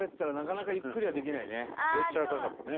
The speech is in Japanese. プレッシャーかかるね。